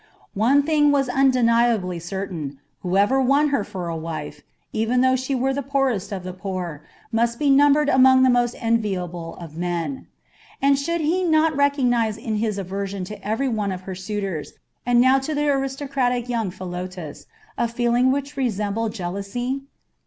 One thing was undeniably certain: whoever won her for a wife even though she were the poorest of the poor must be numbered among the most enviable of men. And should he not recognise in his aversion to every one of her suitors, and now to the aristocratic young Philotas, a feeling which resembled jealousy?